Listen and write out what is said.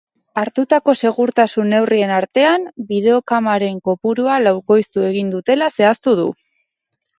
Hartutako segurtasun neurrien artean, bideokameren kopurua laukoiztu egin dutela zehaztu du.